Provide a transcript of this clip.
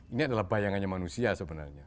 ini adalah bayangannya manusia sebenarnya